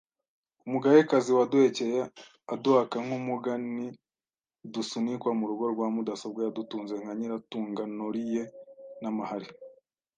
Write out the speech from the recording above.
Umugaekazi waduhekeye Aduhaka nk’umuga Ntidusunikwa mu rugo rwa Mudasowa Yadutunze nka Nyiratunga Nauriye n’amahari